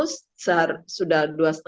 posisi ruu pprt ini kan sudah dibamus sehar